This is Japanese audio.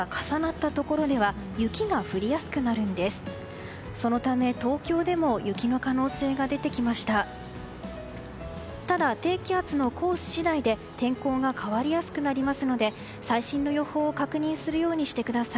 ただ、低気圧のコース次第で天候が変わりやすくなりますので最新の予報を確認するようにしてください。